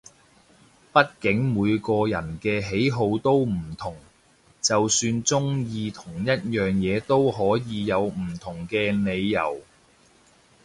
畢竟每個人嘅喜好都唔同，就算中意同一樣嘢都可以有唔同嘅理由